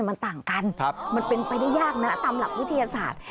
มันต่างกันมันเป็นไปได้ยากนะตามหลักวิทยาศาสตร์